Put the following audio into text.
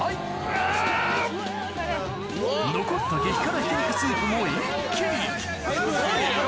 残った激辛ひき肉スープも一気にすごいな。